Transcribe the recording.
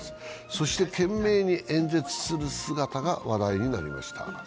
そして懸命に演説する姿が話題になりました。